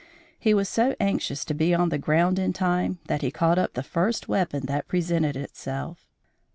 He was so anxious to be on the ground in time, that he caught up the first weapon that presented itself.